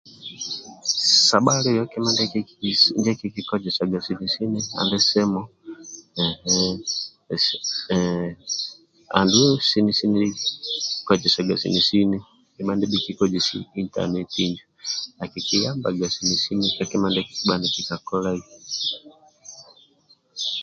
Sabhalio kima ndi kikikozesaga sini sini sini andi simu hhh andulu sini snin kozesaga sini sini kima ndibhikikozesi intaneti akikiyambaga sini sini ka kima ndie kikibhaga ka kolai